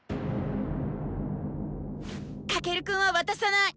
「翔くんは渡さない！